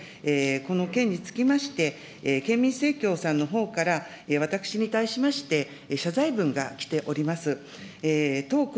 そんな中で、この件につきまして、県民生協さんのほうから、私に対しまして謝罪文が来ております。